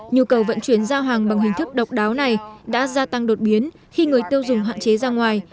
nhu cầu vận chuyển giao hàng bằng hình thức độc đáo này đã gia tăng đột biến khi người tiêu dùng hạn chế ra ngoài